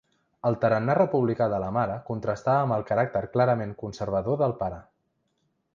El tarannà republicà de la mare contrastava amb el caràcter clarament conservador del pare.